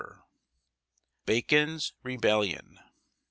BACON'S REBELLION.